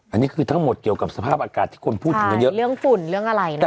อันนี้คือทั้งหมดเกี่ยวกับสภาพอากาศที่คนพูดถึงกันเยอะเรื่องฝุ่นเรื่องอะไรนะคะ